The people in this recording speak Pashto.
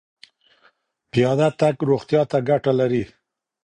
پیاده تګ روغتیا ته ګټه لري.